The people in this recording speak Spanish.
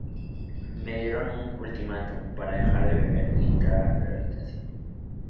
Me dieron un ultimátum para dejar de beber y entrar en rehabilitación.